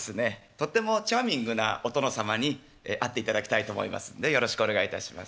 とってもチャーミングなお殿様に会っていただきたいと思いますんでよろしくお願いいたします。